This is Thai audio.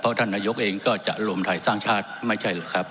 ท่านนายกเองก็จะรวมไทยสร้างชาติไม่ใช่เหรอครับ